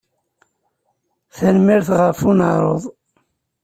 Tanemmirt ɣef uneɛruḍ.